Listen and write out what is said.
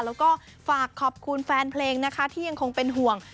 แล้วก็ฝากขอบคุณแฟนเพลงนะคะที่ยังคงเป็นห่วง